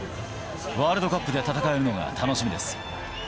ワールドカップで戦えるのが楽しみです。